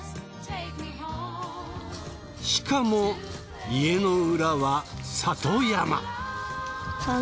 しかも家の裏は里山。